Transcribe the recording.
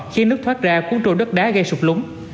khi nước thoát ra cuốn trôi đất đá gây sụp lúng